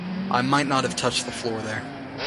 I might not have touched the floor there.